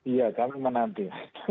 iya kami menanti